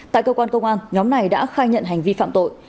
tại cơ quan công an nhóm này đã khai nhận hành vi phạm tội